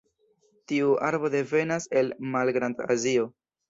Tiu arbo devenas el Malgrand-Azio.